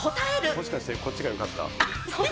もしかして、こっちがよかった？